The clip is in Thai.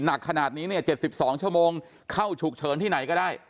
หนักขนาดนี้เนี่ย๗๒ชั่วโมงเข้าฉุกเฉินที่ไหนก็ได้